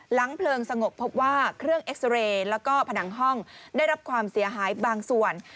เพลิงสงบพบว่าเครื่องเอ็กซาเรย์แล้วก็ผนังห้องได้รับความเสียหายบางส่วน